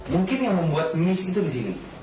mungkin yang membuat miss itu di sini